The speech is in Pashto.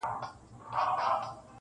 لېونتوب غواړم چي د کاڼو په ویشتلو ارزي-